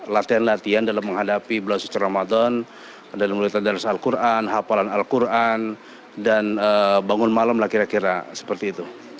latihan latihan dalam menghadapi bulan suci ramadan dalam mulai tadarus al quran hafalan al quran dan bangun malam lah kira kira seperti itu